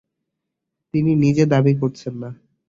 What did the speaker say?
তিনি নিজে দাবি করছেন না।